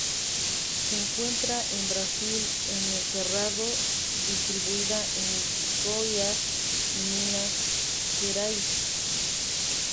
Se encuentra en Brasil en el Cerrado, distribuida en Goiás y Minas Gerais.